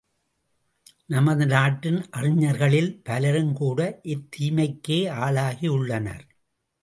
நமது நாட்டின் அறிஞர்களில் பலரும் கூட இத்தீமைக்கே ஆளாகி உள்ளனர்.